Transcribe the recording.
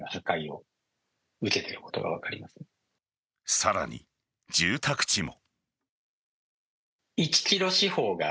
さらに、住宅地も。